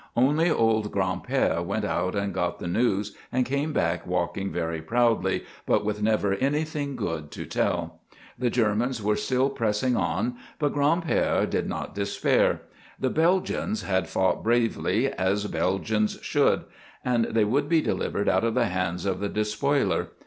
Only old Gran'père went out and got the news and came back walking very proudly but with never anything good to tell. The Germans were still pressing on, but Gran'père did not despair. The Belgians had fought bravely, as Belgians should, and they would be delivered out of the hands of the despoiler.